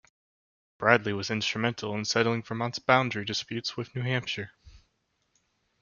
Bradley was instrumental in settling Vermont's boundary disputes with New Hampshire.